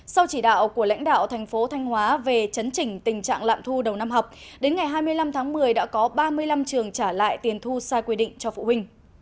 sau chỉ đạo của lãnh đạo thành phố thanh hóa về chấn chỉnh tình trạng lạm thu đầu năm học đến ngày hai mươi năm tháng một mươi đã có ba mươi năm trường trả lại tiền thu sai quy định cho phụ huynh